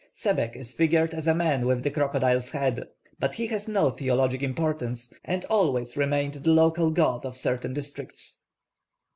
+Sebek+ is figured as a man with the crocodile's head; but he has no theologic importance, and always remained the local god of certain districts.